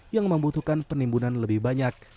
yang membutuhkan penimbunan lebih banyak